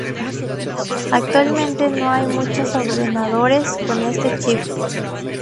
Actualmente no hay muchas ordenadores con este chip.